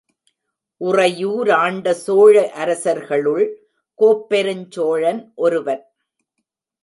உறையூராண்ட சோழ அரசர்களுள், கோப்பெருஞ் சோழன் ஒருவன்.